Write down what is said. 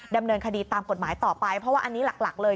ดำเนินคดีตามกฎหมายต่อไปเพราะว่าอันนี้หลักเลย